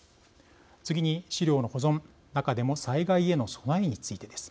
次に、資料の保存中でも災害への備えについてです。